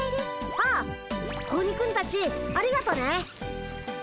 あっ子鬼君たちありがとね。